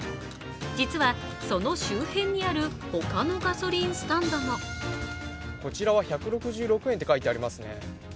実はその周辺にある他のガソリンスタンドもこちらは１６６円と書いてありますね。